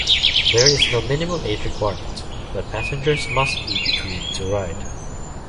There is no minimum age requirement, but passengers must be between to ride.